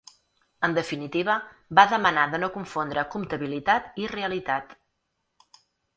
En definitiva, va demanar de no confondre comptabilitat i realitat.